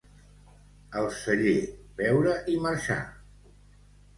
Al celler, beure i marxar.